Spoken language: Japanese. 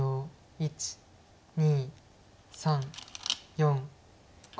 １２３４５。